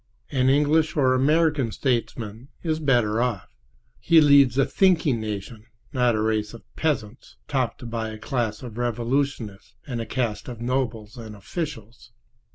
An English or American statesman is better off. He leads a thinking nation, not a race of peasants topped by a class of revolutionists and a caste of nobles and officials.